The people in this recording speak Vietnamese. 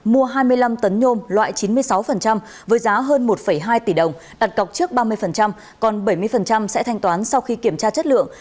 mua hai mươi năm tấn nhôm loại chín mươi sáu với giá hơn một hai tỷ đồng đặt cọc trước ba mươi còn bảy mươi sẽ thanh toán sau khi kiểm tra chất lượng